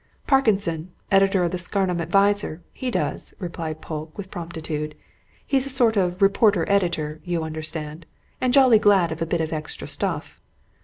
"Parkinson, editor of the 'Scarnham Advertiser,' he does," replied Polke, with promptitude. "He's a sort of reporter editor, you understand, and jolly glad of a bit of extra stuff."